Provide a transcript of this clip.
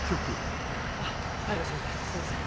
あっ大賀先生すいません。